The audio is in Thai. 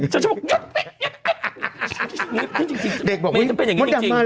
ชั้นก็บอกหยุดไป